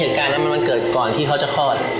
เหตุการณ์นั้นมันเกิดก่อนที่เขาจะคลอด